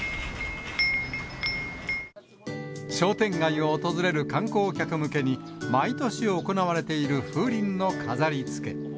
商店街を訪れる観光客向けに、毎年行われている風鈴の飾りつけ。